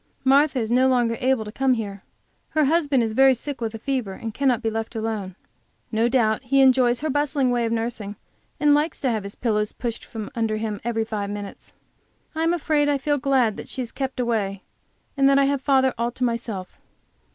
Martha is no longer able to come here; her husband is very sick with a fever, and cannot be left alone. No doubt he enjoys her bustling way of nursing, and likes to have his pillows pushed from under him every five minutes. I am afraid I feel glad that she is kept away, and that I have father all to myself.